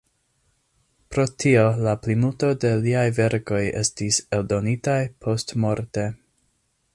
Pro tio la plimulto de liaj verkoj estis eldonitaj postmorte.